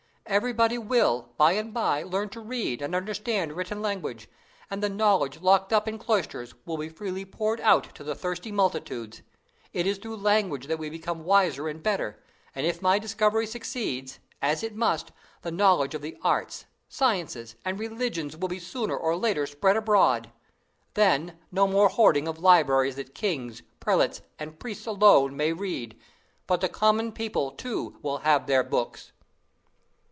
Everybody will, by and by, learn to read and understand written language, and the knowledge locked up in cloisters will be freely poured out to the thirsty multitudes. It is through language that we become wiser and better; and if my discovery succeeds, as it must, the knowledge of the arts, sciences, and religion will be sooner or later spread abroad. Then, no more hoarding of libraries that kings, prelates, and priests alone may read; but the common people, too, will have their books."